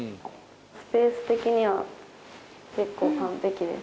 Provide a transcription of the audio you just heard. スペース的には結構完璧です。